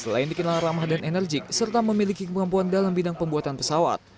selain dikenal ramah dan enerjik serta memiliki kemampuan dalam bidang pembuatan pesawat